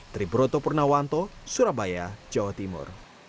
triburoto purnawanto surabaya jawa timur